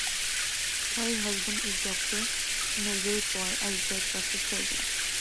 Poy's husband is Doctor Neville Poy, a retired plastic surgeon.